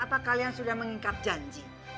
apa kalian sudah mengikat janji